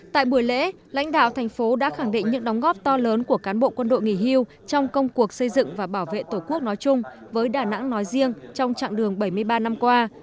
tại buổi lễ lãnh đạo thành phố đã khẳng định những đóng góp to lớn của cán bộ quân đội nghỉ hưu trong công cuộc xây dựng và bảo vệ tổ quốc nói chung với đà nẵng nói riêng trong trạng đường bảy mươi ba năm qua